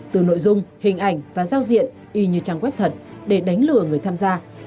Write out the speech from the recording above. từ nội dung hình ảnh và giao diện y như trang web thật để đánh lừa người tham gia